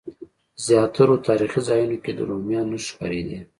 زیاترو تاریخي ځایونو کې د رومیانو نښې ښکارېدې.